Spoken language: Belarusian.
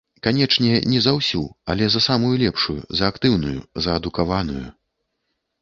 Канечне, не за ўсю, але за самую лепшую, за актыўную, за адукаваную.